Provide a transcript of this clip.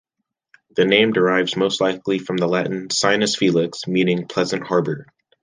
The name derives most likely from the Latin "sinus felix", meaning "pleasant harbour".